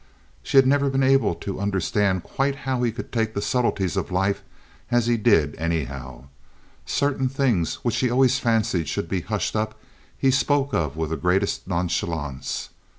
She had never been able to understand quite how he could take the subtleties of life as he did, anyhow. Certain things which she always fancied should be hushed up he spoke of with the greatest nonchalance.